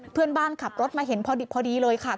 เพื่อนบ้านขับรถมาเห็นพอดีเลยค่ะ